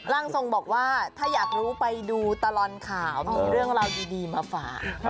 ร่างทรงบอกว่าถ้าอยากรู้ไปดูตลอดข่าวมีเรื่องราวดีมาฝาก